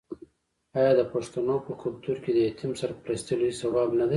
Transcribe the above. آیا د پښتنو په کلتور کې د یتیم سرپرستي لوی ثواب نه دی؟